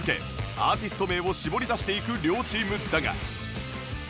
アーティスト名を絞り出していく両チームだが